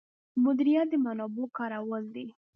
مدیریت د منابعو کارول دي